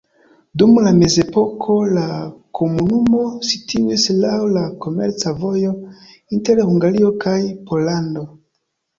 Dum la mezepoko la komunumo situis laŭ la komerca vojo inter Hungario kaj Pollando.